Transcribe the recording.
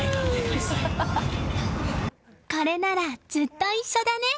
これならずっと一緒だね。